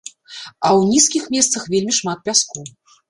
А ў нізкіх месцах вельмі шмат пяску.